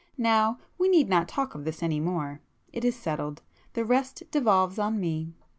Now we need not talk of this any more—it is settled,—the rest devolves on me.